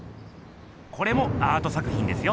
これもアート作品ですよ。